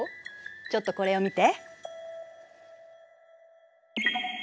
ちょっとこれを見て。